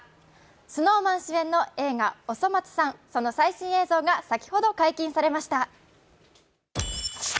ＳｎｏｗＭａｎ主演の映画「おそ松さん」、その最新映像が先ほど解禁されました。